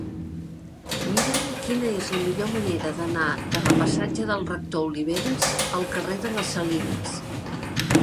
Mira'm quina és la millor manera d'anar de la passatge del Rector Oliveras al carrer de les Salines.